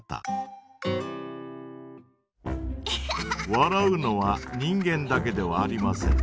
笑うのは人間だけではありません。